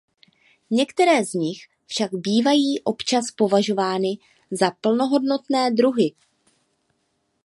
Některé z nich však bývají občas považovány za plnohodnotné druhy.